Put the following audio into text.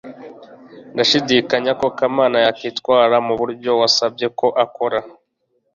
ndashidikanya ko kamana yakwitwara muburyo wasabye ko akora